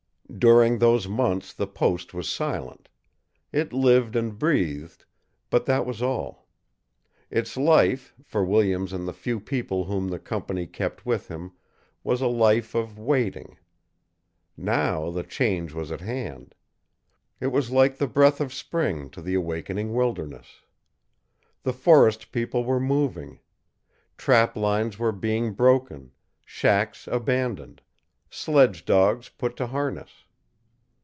During those months the post was silent. It lived and breathed, but that was all. Its life, for Williams and the few people whom the company kept with him, was a life of waiting. Now the change was at hand. It was like the breath of spring to the awakening wilderness. The forest people were moving. Trap lines were being broken, shacks abandoned, sledge dogs put to harness.